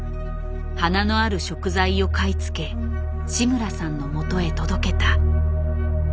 華のある食材を買い付け志村さんのもとへ届けた。